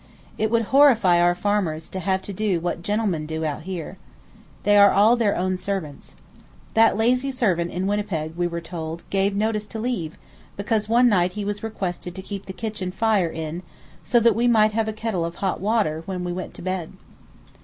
It would horrify our farmers to have to do what gentlemen do out here. They are all their own servants. That lazy servant in Winnipeg, we were told, gave notice to leave, because one night he was requested to keep the kitchen fire in so that we might have a kettle of hot water when we went to bed.